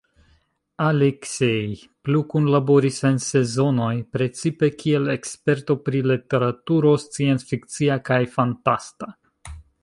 Aleksej plu kunlaboris en Sezonoj, precipe kiel eksperto pri literaturo scienc-fikcia kaj fantasta.